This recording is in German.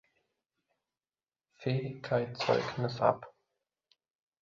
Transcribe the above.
Fähigkeitszeugnis ab.